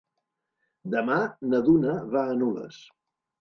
Demà na Duna va a Nules.